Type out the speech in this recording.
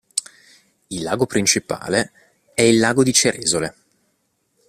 Il lago principale è il Lago di Ceresole.